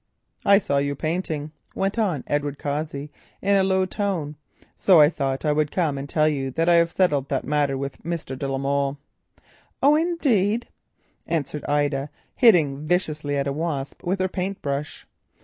"I saw you painting," went on Edward Cossey in a low tone, "so I thought I would come and tell you that I have settled the matter with Mr. de la Molle." "Oh, indeed," answered Ida, hitting viciously at a wasp with her paint brush.